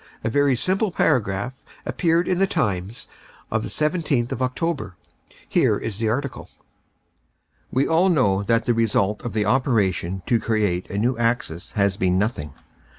A very simple paragraph appeared in the Times of the 17th of October. Here is the article: "We all know that the result of the operation to create a new axis has been nothing.